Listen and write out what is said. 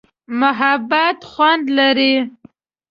محبت خوند لري.